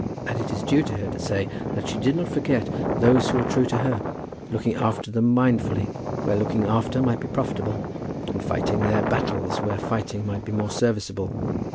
And it is due to her to say that she did not forget those who were true to her, looking after them mindfully where looking after might be profitable, and fighting their battles where fighting might be more serviceable.